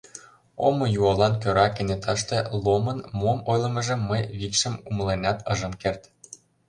Омо юалан кӧра кенеташте Ломын мом ойлымыжым мый викшым умыленат ыжым керт.